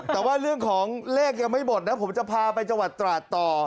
แต่ว่าเรื่องของเลขยังไม่หมดนะผมจะพาไปจังหวัดตราดต่อ